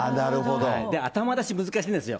頭出し、難しいんですよ。